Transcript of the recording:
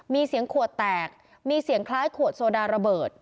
มีเสียงขวดแตกมีเสียงคล้ายขวดโซดาระเบิด